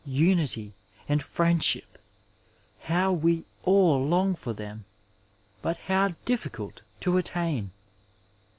Unity and friendship ! How we all long for tiiem, but how difficult to attain